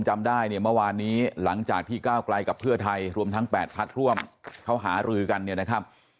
เมื่อวานนี้หลังจากพี่ก้าวกลายกับเพื่อไทยรวมทั้ง๘พลักษณ์ร่วมเขาหารือกันเนี่ยนะครับ